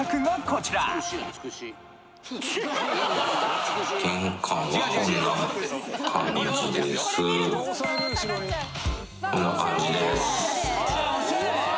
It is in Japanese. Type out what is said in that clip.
こんな感じです。